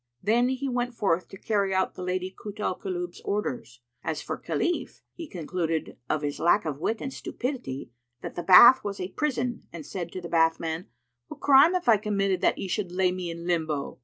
Then he went forth to carry out the Lady Kut al Kulub's orders. As for Khalif, he concluded, of his lack of wit and stupidity, that the bath was a prison and said to the bathman, "What crime have I committed that ye should lay me in limbo?"